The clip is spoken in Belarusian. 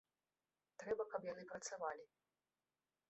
Трэба, каб яны працавалі.